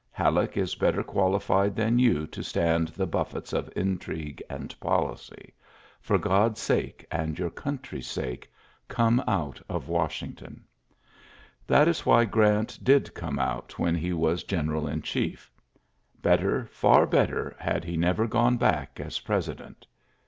Halle< better qualified than you to stan< buffets of intrigue and policy. TJLTSSES S. GEAI^T 99 Qod^s sake and your country's sake, come out of "Washington I '' That is why Grant did come out when he was general in chief. Better, £eur better, had he never gone back as president.